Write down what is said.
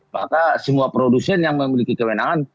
maka semua produsen yang memiliki kewenangan